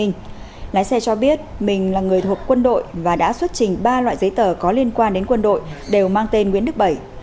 lái xe cho biết mình là người thuộc quân đội và đã xuất trình ba loại giấy tờ có liên quan đến quân đội đều mang tên nguyễn đức bảy